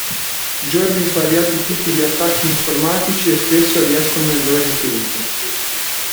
Giorni svariati tipi di attacchi informatici e spesso riescono nel loro intento.